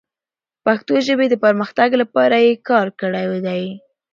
د پښتو ژبې د پرمختګ لپاره یې کار کړی دی.